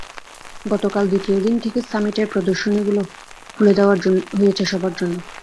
গতকাল দ্বিতীয় দিন থেকে সামিটের প্রদর্শনীগুলো খুলে দেওয়া হয়েছে সবার জন্য।